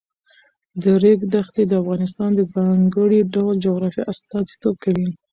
د ریګ دښتې د افغانستان د ځانګړي ډول جغرافیه استازیتوب کوي.